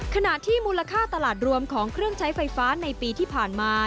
ขณะที่มูลค่าตลาดรวมของเครื่องใช้ไฟฟ้าในปีที่ผ่านมา